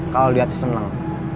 kalau dia tuh senang